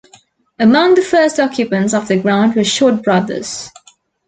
Among the first occupants of the ground were Short Brothers.